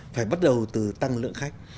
phải bắt đầu từ tăng lượng khách